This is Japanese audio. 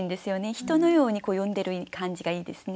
人のように呼んでる感じがいいですね。